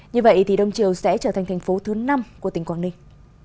như vậy thì đông triều sẽ trở thành thành phố thứ năm của tỉnh quảng ninh